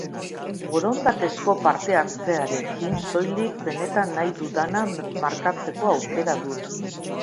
Borondatezko partehartzearekin soilik benetan nahi dudana markatzeko aukera dut.